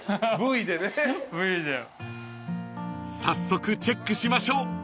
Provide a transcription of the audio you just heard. ［早速チェックしましょう］